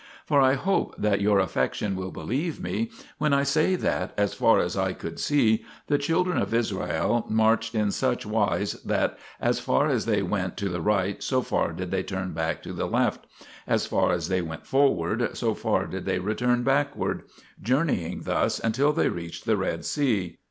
For I hope that your affection will believe me [when I say that], as far as I could see, the children of Israel marched in such wise that as far as they went to the right, so far did they turn back to the left ; as far as they went for ward, so far did they return backward, journeying thus until they reached the Red Sea.